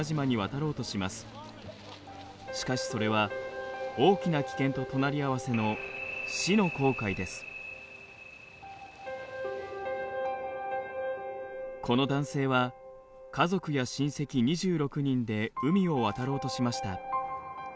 しかしそれは大きな危険と隣り合わせのこの男性は家族や親戚２６人で海を渡ろうとしました。